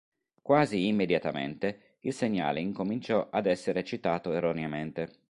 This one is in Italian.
Quasi immediatamente, il segnale incominciò ad essere citato erroneamente.